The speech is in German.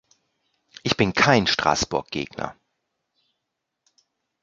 Ich bin kein Straßburg-Gegner.